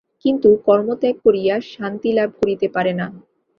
কিন্তু কর্ম ত্যাগ করিয়া শান্তি লাভ করিতে পারে না।